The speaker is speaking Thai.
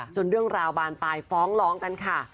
เรื่องราวบานปลายฟ้องร้องกันค่ะ